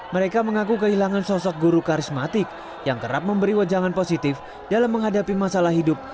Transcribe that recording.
mereka mengaku kehilangan sosok guru karismatik yang kerap memberi wajangan positif dalam menghadapi masalah hidup